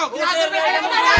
kukasih uang dari mana